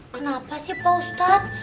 kenapa sih pak ustadz